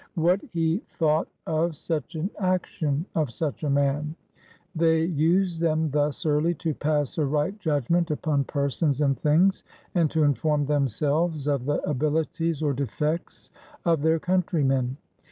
What he thought of such an action of such a man? They used them thus early to pass a right judgment upon persons and things, and to inform themselves of the abihties or defects of their countrymen.